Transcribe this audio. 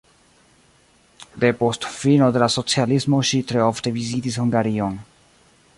Depost fino de la socialismo ŝi tre ofte vizitis Hungarion.